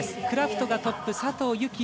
クラフトがトップ佐藤幸